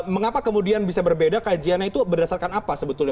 mengapa kemudian bisa berbeda kajiannya itu berdasarkan apa sebetulnya